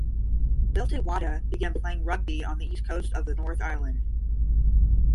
Bill Te Whata began playing rugby on the East Coast of the North Island.